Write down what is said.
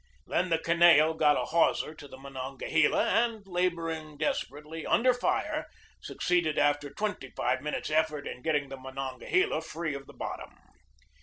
Then the Kineo got a hawser to the Monongahela, and, laboring desperately, under fire, succeeded after twenty five minutes' effort in getting the Monon gahela free of the bottom.